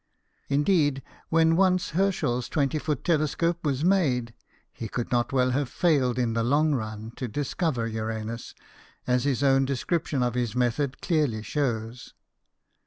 Indeed, when once Herschel's twenty foot telescope was made, he could not well have failed in the long run to discover Uranus, as his own description of his method clearly shows.